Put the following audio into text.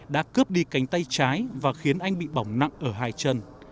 đã cướp đi cánh tay trái và khiến anh bị bỏng nặng ở hai chân